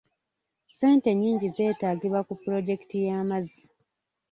Ssente nnyingi zeetaagibwa ku pulojekiti y'amazzi.